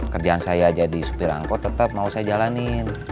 kerjaan saya jadi supir angkot tetap mau saya jalanin